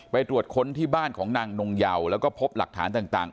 ตรวจค้นที่บ้านของนางนงเยาแล้วก็พบหลักฐานต่าง